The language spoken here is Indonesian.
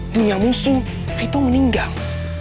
dunia musuh vito meninggang